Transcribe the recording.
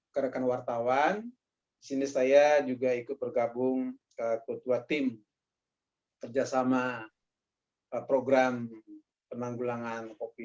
kerakan wartawan disini saya juga ikut bergabung ke kedua tim kerjasama program penanggulangan covid sembilan belas